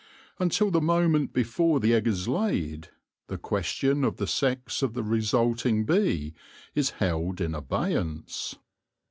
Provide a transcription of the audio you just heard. Until the moment before the egg is laid, the question of the sex of the resulting bee is held in abeyance.